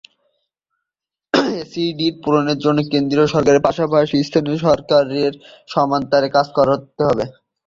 SDG পূরণের জন্য কেন্দ্রীয় সরকারের পাশাপাশি স্থানীয় সরকারকে সমানতালে কাজ করতে হবে।